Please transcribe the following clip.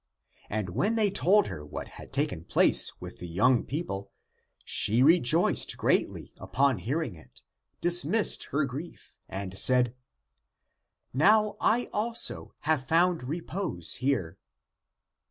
And when they told her what had taken place with the young people, she rejoiced greatly upon hearing it, dismissed her grief, and said, " Now I also have found repose here